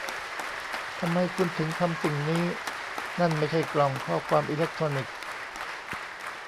ทำไมคุณถึงทำสิ่งนี้นั่นไม่ใช่กล่องข้อความอิเล็กทรอนิกส์